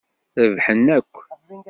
Rebḥen akk!